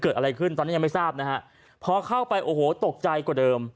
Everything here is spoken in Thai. เกิดอะไรขึ้นตอนนี้ยังไม่ทราบนะฮะพอเข้าไปโอ้โหตกใจกว่าเดิม